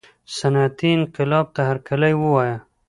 صنعتي انقلاب ته هرکلی ووایه.